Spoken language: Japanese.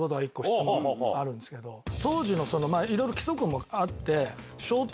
当時いろいろ規則もあって。